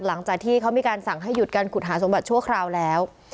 หลังจากที่เขามีการสั่งให้หยุดการขุดหาสมบัติชั่วคราวแล้ว